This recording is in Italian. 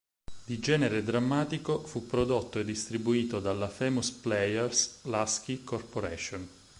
Di genere drammatico, fu prodotto e distribuito dalla Famous Players-Lasky Corporation.